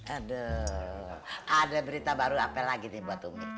aduh ada berita baru apa lagi nih buat umi